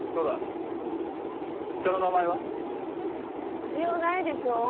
必要ないでしょ。